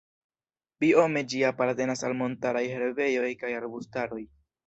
Biome ĝi apartenas al montaraj herbejoj kaj arbustaroj.